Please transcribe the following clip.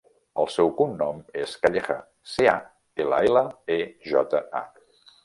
El seu cognom és Calleja: ce, a, ela, ela, e, jota, a.